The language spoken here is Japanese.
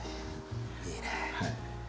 いいね！